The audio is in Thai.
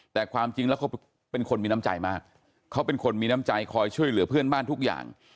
แต่ความจริงแล้วเขาเป็นคนมีน้ำใจมากเขาเป็นคนมีน้ำใจคอยช่วยเหลือเพื่อนบ้านทุกอย่าง